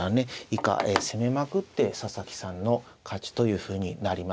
以下攻めまくって佐々木さんの勝ちというふうになりました。